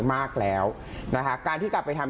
มากแล้วนะคะการที่จะไปทำ